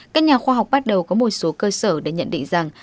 các nhà khoa học bắt đầu có một số cơ sở để nhận định rằng